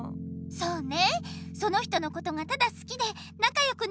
そうね。